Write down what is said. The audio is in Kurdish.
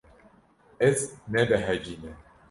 Ez nebehecî me.